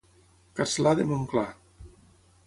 Castlà de Montclar.